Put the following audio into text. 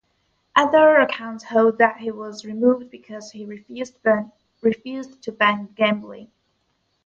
Other accounts hold that he was removed because he refused to ban gambling.